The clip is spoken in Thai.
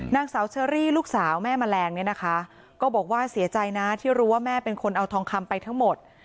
นางสาวเชอรี่ลูกสาวแม่แมลงเนี่ยนะคะก็บอกว่าเสียใจนะที่รู้ว่าแม่เป็นคนเอาทองคำไปทั้งหมด